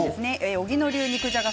荻野流肉じゃが